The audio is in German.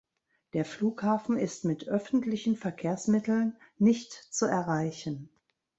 Der Flughafen ist mit öffentlichen Verkehrsmitteln nicht zu erreichen.